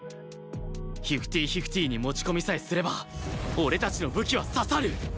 フィフティー・フィフティーに持ち込みさえすれば俺たちの武器は刺さる！